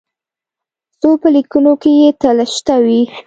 خو په لیکنو کې یې تل شته وي.